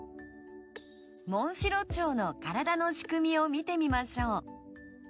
モンシロチョウの体の仕組みを見てみましょう。